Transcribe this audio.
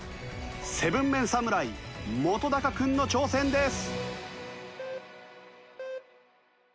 ７ＭＥＮ侍本君の挑戦です。